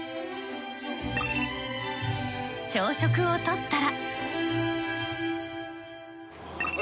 朝食をとったら。